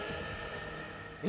え？